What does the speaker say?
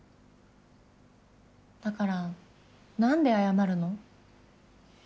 だからなんで謝るの？